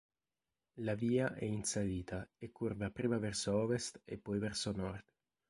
La Via è in salita e curva prima verso ovest e poi verso nord.